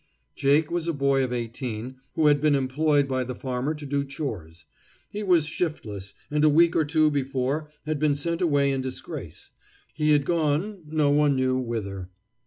Jake was a boy of eighteen, who had been employed by the farmer to do chores. He was shiftless, and a week or two before had been sent away in disgrace. He had gone no one knew whither.